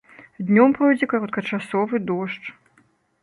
Днём пройдзе кароткачасовы дождж.